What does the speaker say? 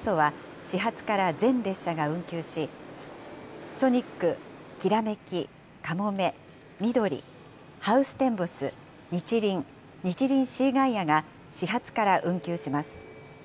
そは始発から全列車が運休し、ソニック、きらめき、かもめ、みどり、ハウステンボス、にちりん、にちりんシーガイアが、始発から運休します。